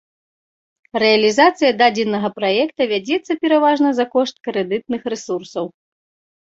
Рэалізацыя дадзенага праекта вядзецца пераважна за кошт крэдытных рэсурсаў.